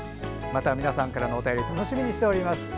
また皆さんからのお便り楽しみにしております。